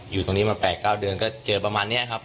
อยู่ตรงนี้มา๘๙เดือนก็เจอประมาณนี้ครับ